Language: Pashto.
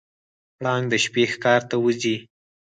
پړانګ د شپې ښکار ته وځي.